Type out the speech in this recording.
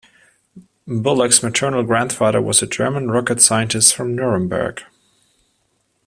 Bullock's maternal grandfather was a German rocket scientist from Nuremberg.